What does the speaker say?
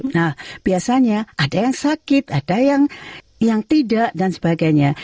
nah biasanya ada yang sakit ada yang tidak dan sebagainya